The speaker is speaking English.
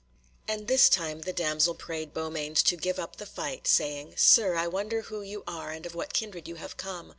And this time the damsel prayed Beaumains to give up the fight, saying, "Sir, I wonder who you are and of what kindred you have come.